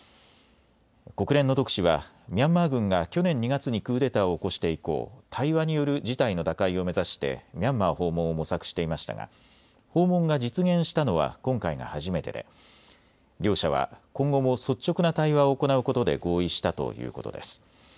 国連の特使はミャンマー軍が去年２月にクーデターを起こして以降、対話による事態の打開を目指してミャンマー訪問を模索していましたが訪問が実現したのは今回が初めてで両者は今後も率直な対話を行うことで合意したということです。